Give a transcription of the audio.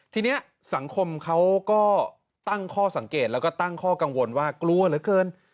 ทีนี้สังคมเขาก็ตั้งข้อสังเกตแล้วก็ตั้งข้อกังวลว่ากลัวเหลือเกิน